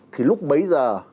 thì lúc bấy giờ